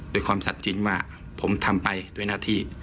ด้วยความสัจจินว่าผมทำไปด้วยนาที